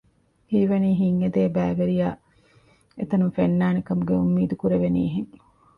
ހީވަނީ ހިތްއެދޭ ބައިވެރިޔާ އެތަނުން ފެންނާނެ ކަމުގެ އުއްމީދު ކުރެވެނީހެން